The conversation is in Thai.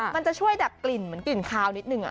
มันจะช่วยได้แบบกลิ่นเหมือนกลิ่นคลาวนิดนิดหนึ่งอ่ะ